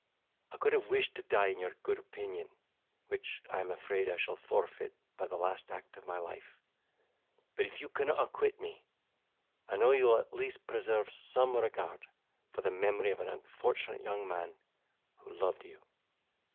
I could have wished to die in your good opinion, which I am afraid I shall forfeit by the last act of my life; but, if you cannot acquit me, I know you will at least preserve some regard for the memory of an unfortunate young man who loved you.